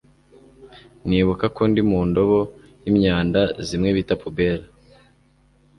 nibuka ko ndi mundobo yimyanda zimwe bita pubelle